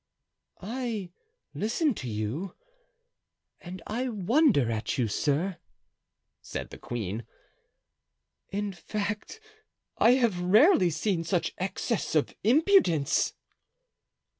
"I listen to you, and I wonder at you, sir," said the queen. "In fact, I have rarely seen such excess of impudence."